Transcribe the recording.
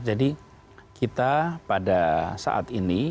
jadi kita pada saat ini